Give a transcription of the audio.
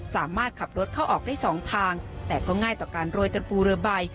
สามารถขับรถเข้าออกได้สองทางแต่ก็ง่ายต่อการโรยกันปูเรือใบ